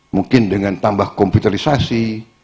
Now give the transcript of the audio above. mungkin dengan tambah komputerisasi